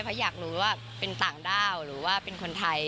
เพราะอยากรู้ว่าเป็นต่างด้าวหรือว่าเป็นคนไทย